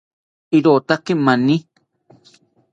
Irotaki mani